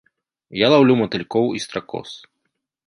Я лаўлю матылькоў і стракоз.